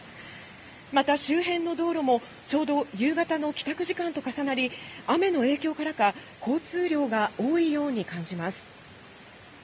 また、周辺の道路もちょうど夕方の帰宅時間と重なり雨の影響からか交通量が多いように感じます。